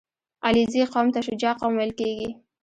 • علیزي قوم ته شجاع قوم ویل کېږي.